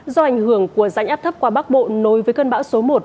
do ảnh hưởng của rãnh áp thấp qua bắc bộ nối với cơn bão số một